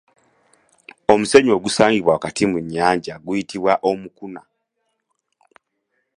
Omusenyu ogusangibwa wakati mu nnyanja guyitibwa Omukuna.